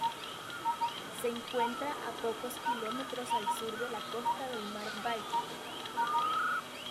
Se encuentra a pocos kilómetros al sur de la costa del mar Báltico.